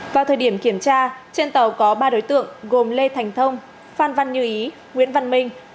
vào thời điểm kiểm tra trên tàu có ba đối tượng gồm lê thành thông phan văn như ý nguyễn văn minh